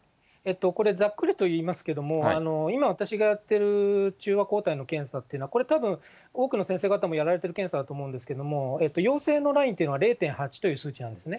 これ、ざっくりと言いますけれども、今、私がやっている中和抗体の検査というのは、これたぶん、多くの先生方もやられている検査だと思うんですけれども、陽性のラインというのは０．８という数値なんですね。